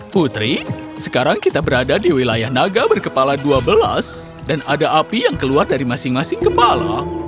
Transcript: putri sekarang kita berada di wilayah naga berkepala dua belas dan ada api yang keluar dari masing masing kepala